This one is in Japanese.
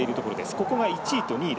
ここが１位と２位。